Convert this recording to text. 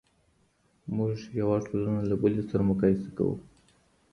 موږ یوه ټولنه له بلې سره مقایسه کوو.